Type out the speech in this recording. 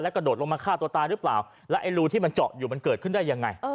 กระโดดลงมาฆ่าตัวตายหรือเปล่าแล้วไอ้รูที่มันเจาะอยู่มันเกิดขึ้นได้ยังไง